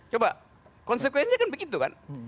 coba konsekuensinya kan begitu kan